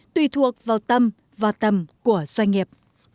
tùy thuộc vào tâm vào tâm của doanh nghiệp